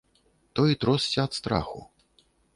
Той тросся ад страху.